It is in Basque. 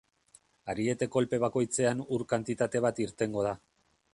Ariete-kolpe bakoitzean ur-kantitate bat irtengo da.